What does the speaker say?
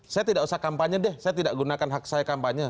saya tidak usah kampanye deh saya tidak gunakan hak saya kampanye